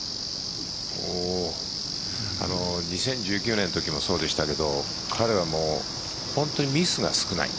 ２０１９年のときもそうでしたけど彼は本当にミスが少ない。